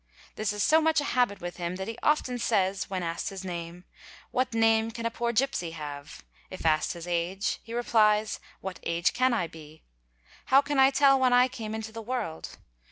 This is so much a habit with him that he often says when asked his name: " What name can a poor gipsy have ?''—if asked his age _ he rephes " What age can I be ?"" How can I tell when I came into the world?"